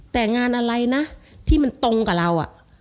แต่งานอะไรนะที่มันตรงกับเรา